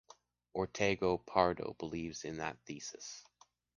Ortega Pardo believed in that thesis.